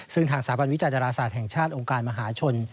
ซึ่งทางสถาบันวิจัยดาราศาสตร์แห่งชาติองค์การมหาชน